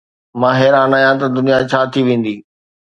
مان حيران آهيان ته دنيا ڇا ٿي ويندي